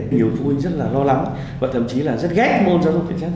nhiều phụ huynh rất là lo lắng và thậm chí là rất ghét môn giáo dục thể chất